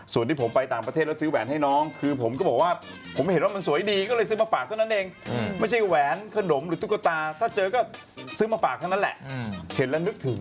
ส่วนที่ผมไปต่างประเทศแล้วซื้อแหวนให้น้องคือผมก็บอกว่าผมเห็นว่ามันสวยดีก็เลยซื้อมาฝากเท่านั้นเองไม่ใช่แหวนขนมหรือตุ๊กตาถ้าเจอก็ซื้อมาฝากเท่านั้นแหละเห็นแล้วนึกถึง